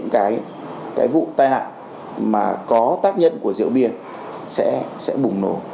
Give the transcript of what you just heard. cái vụ tai nạn mà có tác nhận của rượu bia sẽ bùng nổ